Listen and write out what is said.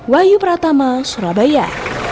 wayu pratama surabaya